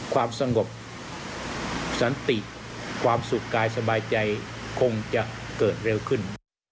ความสงบสันติความสุขกายสบายใจคงจะเกิดเร็วขึ้น